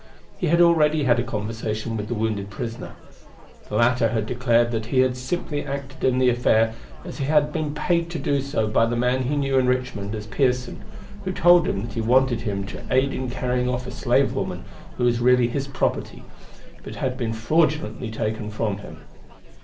He had already had a conversation with the wounded prisoner. The latter had declared that he had simply acted in the affair as he had been paid to do by the man he knew in Richmond as Pearson, who told him that he wanted him to aid in carrying off a slave woman, who was really his property, but had been fraudulently taken from him.